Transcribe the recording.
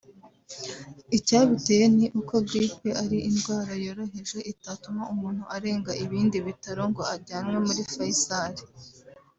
Icyabiteye ni uko grippe ari indwara yoroheje itatuma umuntu arenga ibindi bitaro ngo ajyanwe muri Faisal”